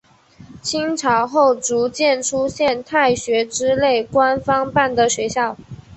清朝后逐渐出现太学之类官方办的学校。